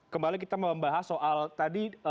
kembali kita membahas soal tadi